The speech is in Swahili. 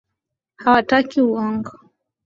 Hawataki uongo.